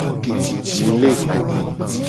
Mi le ku.